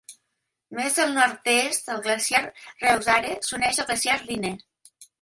Més al nord-est, el glacial Reuss-Aare s'uneix al glacial Rhine.